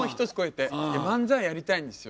漫才やりたいんですよ。